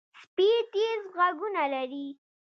سپي تیز غوږونه لري.